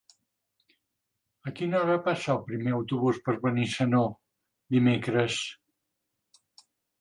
A quina hora passa el primer autobús per Benissanó dimecres?